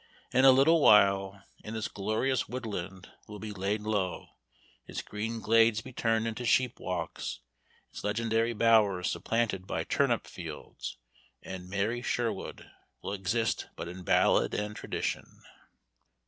In a little while and this glorious woodland will be laid low; its green glades be turned into sheep walks; its legendary bowers supplanted by turnip fields; and "Merrie Sherwood" will exist but in ballad and tradition.